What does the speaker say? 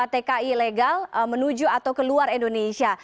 tki ilegal menuju atau keluar indonesia